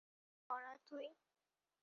Laura, তুই!